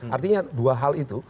artinya dua hal itu